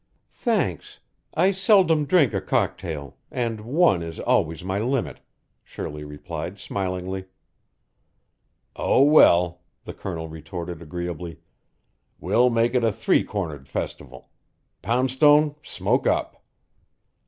"Thanks. I seldom drink a cocktail, and one is always my limit," Shirley replied smilingly. "Oh, well," the Colonel retorted agreeably, "we'll make it a three cornered festival. Poundstone, smoke up."